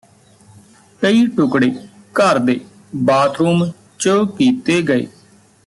ਕਈ ਟੁਕੜੇ ਘਰ ਦੇ ਬਾਥਰੂਮ ਚ ਕੀਤੇ ਗਏ